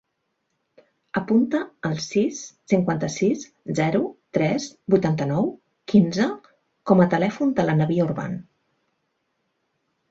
Apunta el sis, cinquanta-sis, zero, tres, vuitanta-nou, quinze com a telèfon de l'Anabia Urban.